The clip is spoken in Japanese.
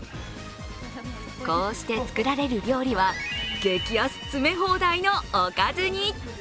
こうして作られる料理は、激安詰め放題のおかずに。